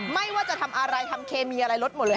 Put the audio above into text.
ไม่ว่าจะทำอะไรทำเคมีอะไรลดหมดเลย